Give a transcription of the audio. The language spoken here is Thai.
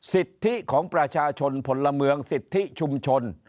สิทธิของประชาชนพลเมืองสิทธิชุมชน